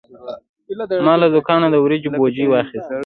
ما له دوکانه د وریجو بوجي واخیست.